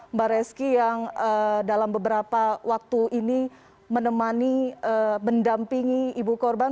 mbak reski yang dalam beberapa waktu ini menemani mendampingi ibu korban